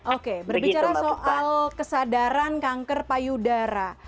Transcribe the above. oke berbicara soal kesadaran kanker payudara